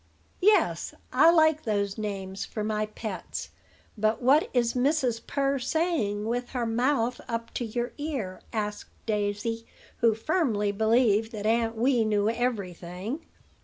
"Yes: I like those names for my pets. But what is Mrs. Purr saying, with her mouth up to your ear?" asked Daisy, who firmly believed that Aunt Wee knew every thing.